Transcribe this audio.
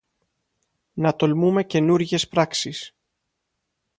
να τολμούμε καινούργιες πράξεις